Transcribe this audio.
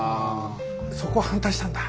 そこ反対したんだ